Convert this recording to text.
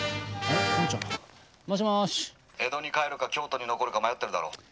「江戸に帰るか京都に残るか迷ってるだろ」。